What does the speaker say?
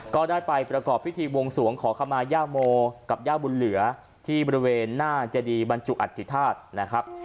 ก็ได้ไปประกอบพิธีบวงสวงขอขมาย่าโมกับย่าบุญเหลือที่บริเวณหน้าเจดีบรรจุอัฐิธาตุนะครับ